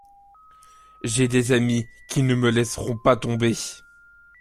J’ai des amis qui ne me laisseront pas tomber.